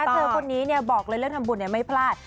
เธอคนนี้บอกเลยเรื่องทำบุญไม่พลาด